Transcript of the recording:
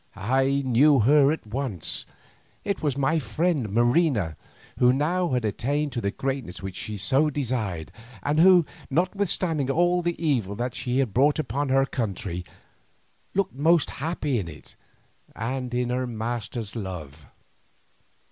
I knew her at once; it was my friend Marina, who now had attained to the greatness which she desired, and who, notwithstanding all the evil that she had brought upon her country, looked most happy in it and in her master's love.